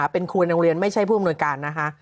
เป็นครูในโรงเรียนไม่ใช่ผู้อำนวยการนะคะ